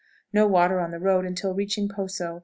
No water on the road until reaching Poso.